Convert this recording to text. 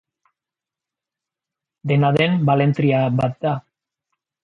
Dena den, balentria bat da.